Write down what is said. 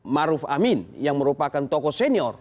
maruf amin yang merupakan tokoh senior